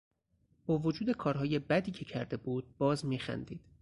با وجود کارهای بدی که کرده بود باز میخندید.